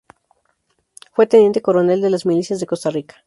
Fue teniente coronel de las milicias de Costa Rica.